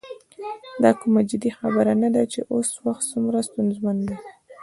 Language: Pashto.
دا کومه جدي خبره نه ده چې اوس وخت څومره ستونزمن دی.